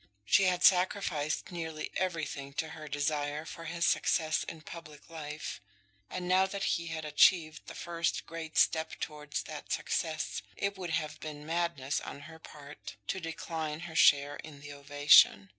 She had sacrificed nearly everything to her desire for his success in public life, and now that he had achieved the first great step towards that success, it would have been madness on her part to decline her share in the ovation.